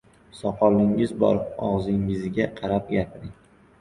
Soqolingiz bor, og‘zingizga qarab gapiring!